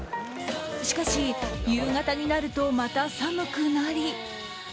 しかし夕方になるとまた寒くなり。